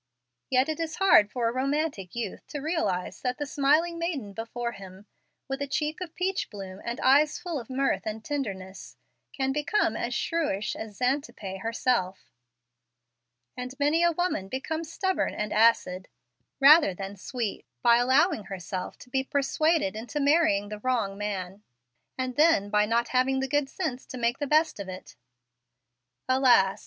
Yet it is hard for a romantic youth to realize that the smiling maiden before him, with a cheek of peach bloom and eyes full of mirth and tenderness, can become as shrewish as Xantippe herself. And many a woman becomes stubborn and acid, rather than sweet, by allowing herself to be persuaded into marrying the wrong man, and then by not having the good sense to make the best of it. Alas!